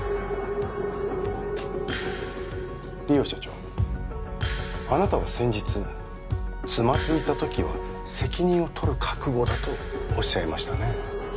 梨央社長あなたは先日つまずいた時は責任を取る覚悟だとおっしゃいましたね